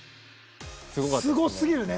すごかったですね。